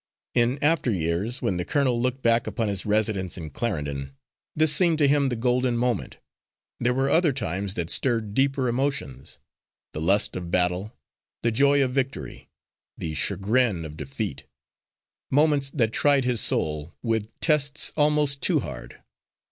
In after years, when the colonel looked back upon his residence in Clarendon, this seemed to him the golden moment. There were other times that stirred deeper emotions the lust of battle, the joy of victory, the chagrin of defeat moments that tried his soul with tests almost too hard.